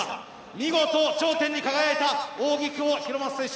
見事、頂点に輝いた扇久保博正選手